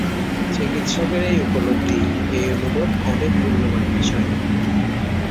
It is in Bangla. চিকিৎসকের এই উপলব্ধি, এই অনুভব অনেক মূল্যবান বিষয়।